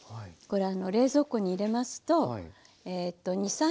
これ冷蔵庫に入れますとえと２３日。